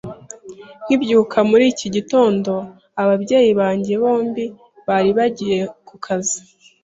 Nkibyuka muri iki gitondo, ababyeyi banjye bombi bari bagiye ku kazi.